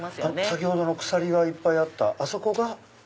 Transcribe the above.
先ほどの鎖がいっぱいあったあそこが。